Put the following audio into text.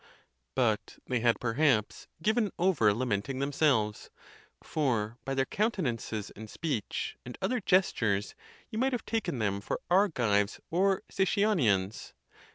but they had perhaps given over lamenting themselves, for by their countenances, and speech, and other gestures you might have taken them for Argives or Sicyonians.